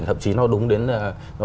hợp chí nó đúng đến hàng giờ